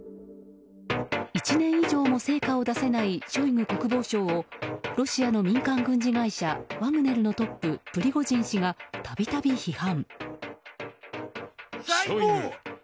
１年以上も成果を出せないショイグ国防相をロシアの民間軍事会社ワグネルのトッププリゴジン氏が度々批判。